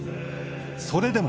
それでも。